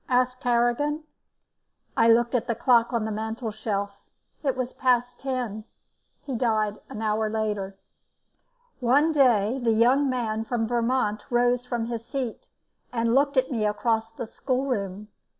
asked Harrigan. I looked at the clock on the mantelshelf. It was past ten. He died an hour later. One day the young man from Vermont rose from his seat and looked at me across the schoolroom.